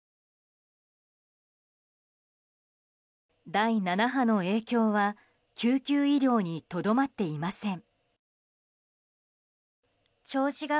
第７波の影響は救急医療にとどまっていません。